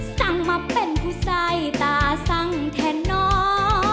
สั่งมาเป็นผู้ใส่ตาสั่งแทนน้อง